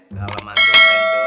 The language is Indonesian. gak apa apa friend